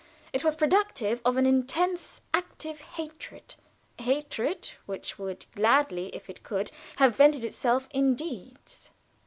It was productive of an intense, active hatred, a hatred which would gladly, if it could, have vented itself in deeds.